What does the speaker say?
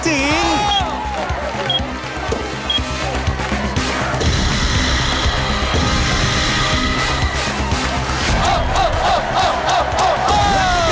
หน้าเซฟ